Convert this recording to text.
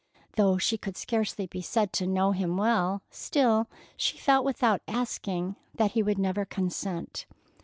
Though she could scarcely be said to know him well, still she felt without asking that he would never consent.